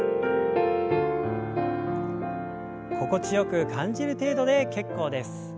心地よく感じる程度で結構です。